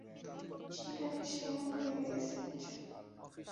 সেখানে সে আমাদের এজেন্ট।